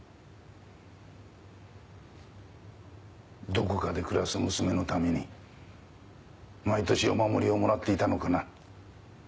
どこかで暮らす娘のために毎年お守りをもらっていたのかな。